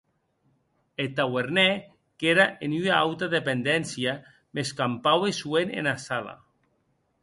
Eth tauernèr qu’ère en ua auta dependéncia, mès campaue soent ena sala.